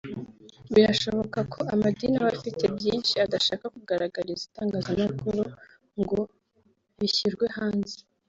Birashoboka ko amadini aba afite byinshi adashaka kugaragariza itangazamakuru ngo bishyirwe hanze